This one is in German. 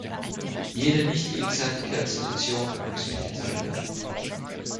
Jede Nichtgegenseitigkeitssituation muss mitgeteilt werden.